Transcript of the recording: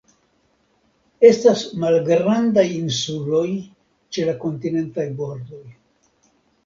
Estas malgrandaj insuloj ĉe la kontinentaj bordoj.